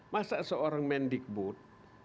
masa seorang mendikbud